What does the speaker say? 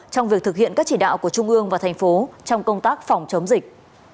trong việc thực hiện các chỉ đạo của trung ương và tp trong công tác phòng chống dịch